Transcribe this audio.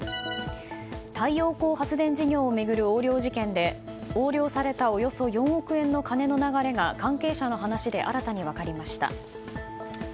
太陽光発電事業を巡る横領事件で横領されたおよそ４億円の金の流れが関係者の話で新たに分かりました。